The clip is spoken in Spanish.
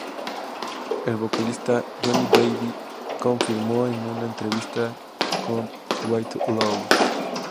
El vocalista Jonny Davy confirmó en una entrevista con "Way Too Loud!